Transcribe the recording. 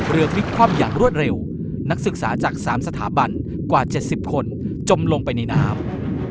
พลิกคว่ำอย่างรวดเร็วนักศึกษาจาก๓สถาบันกว่า๗๐คนจมลงไปในน้ำ